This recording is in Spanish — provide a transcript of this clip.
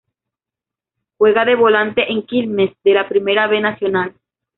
Juega de volante en Quilmes, de la Primera B Nacional.